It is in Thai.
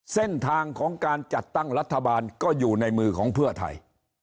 เส้นทางของการจัดตั้งรัฐบาลก็อยู่ในมือของเพื่อไทย